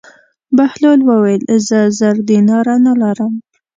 بهلول وویل: زه زر دیناره نه لرم.